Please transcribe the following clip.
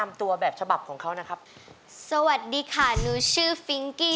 สวัสดีค่ะหนูชื่อฟิงกี้